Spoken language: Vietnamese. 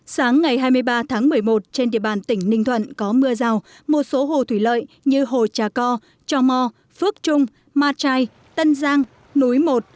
sáng ngày hai mươi ba tháng một mươi một trên địa bàn tỉnh ninh thuận có mưa rào một số hồ thủy lợi như hồ trà co cho mò phước trung ma trai tân giang núi một